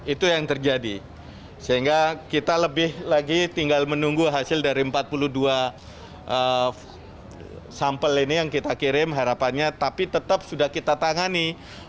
itu yang terjadi sehingga kita lebih lagi tinggal menunggu hasil dari empat puluh dua sampel ini yang kita kirim harapannya tapi tetap sudah kita tangani